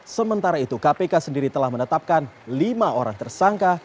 sementara itu kpk sendiri telah menetapkan lima orang tersangka